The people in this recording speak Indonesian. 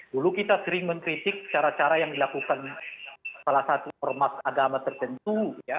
dulu kita sering mengkritik cara cara yang dilakukan salah satu ormas agama tertentu